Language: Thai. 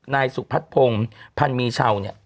นายสุพัฒนภงพันมีเช่าเนี่ย